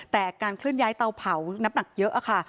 แต่การเคลื่อนย้ายเตาเผาน้ำหนักเยอะค่ะ